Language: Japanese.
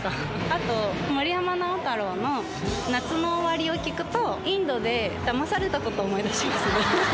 あと、森山直太朗の夏の終わりを聴くと、インドでだまされたことを思い出しますね。